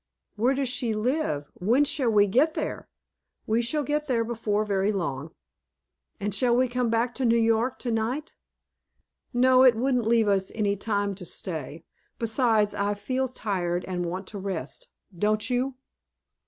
"Where does she live? When shall we get there?" "We shall get there before very long." "And shall we come back to New York to night?" "No, it wouldn't leave us any time to stay. Besides, I feel tired and want to rest; don't you?"